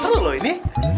seru loh ini